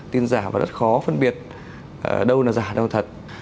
tin giả và rất khó phân biệt đâu là giả đâu thật